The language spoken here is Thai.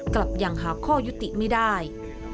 กลับยังหาข้อยุติไม่ได้